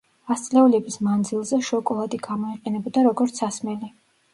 ასწლეულების მანძილზე, შოკოლადი გამოიყენებოდა, როგორც სასმელი.